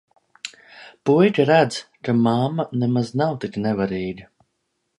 Puika redz, kad mamma nemaz nav tik nevarīga.